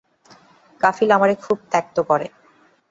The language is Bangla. কফিল আমারে খুব ত্যক্ত করে।